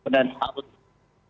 dan pak ud